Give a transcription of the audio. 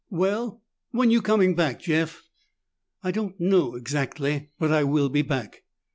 "Well When you coming back, Jeff?" "I don't know exactly. But I will be back."